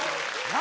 何？